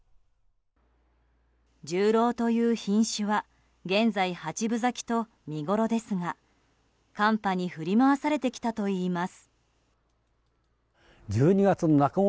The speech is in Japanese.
ジュウロウという品種は現在、八分咲きと見ごろですが寒波に振り回されてきたといいます。